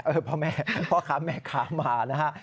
พ่อแม่พ่อค้าแม่ค้ามานะฮะ